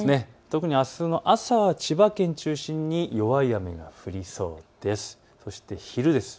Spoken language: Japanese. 特にあすの朝は千葉県を中心に弱い雨が降りそうです。